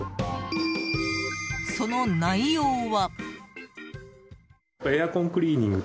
その内容は。